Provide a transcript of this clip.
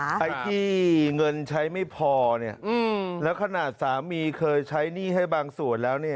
ไอ้ที่เงินใช้ไม่พอเนี่ยแล้วขนาดสามีเคยใช้หนี้ให้บางส่วนแล้วเนี่ย